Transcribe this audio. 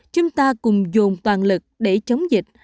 chúng ta cùng dồn toàn lực để chống dịch